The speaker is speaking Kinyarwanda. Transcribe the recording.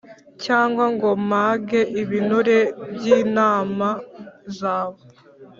cyangwa ngo mpage ibinure by’intama zawe !